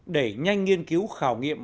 để nhanh nghiên cứu khảo nghiệm